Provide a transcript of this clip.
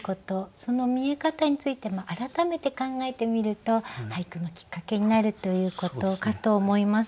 その見え方についても改めて考えてみると俳句のきっかけになるということかと思います。